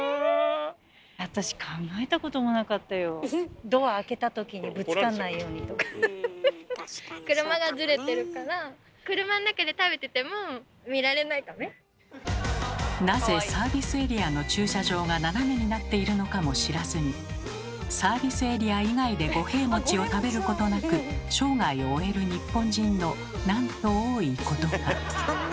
私車がずれてるからなぜサービスエリアの駐車場が斜めになっているのかも知らずにサービスエリア以外で五平餅を食べることなく生涯を終える日本人のなんと多いことか。